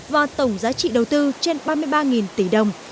và tổng giá trị đầu tư trên ba mươi ba tỷ đồng